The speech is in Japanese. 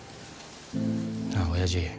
なあおやじ。